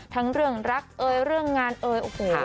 ทั้งเรื่องรักเอ๋ยเรื่องงานเอ๋ย